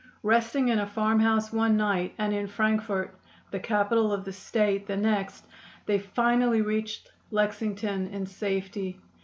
Resting in a farmhouse one night and in Frankfort, the capital of the State, the next, they finally reached Lexington in safety.